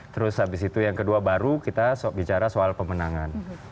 terus habis itu yang kedua baru kita bicara soal pemenangan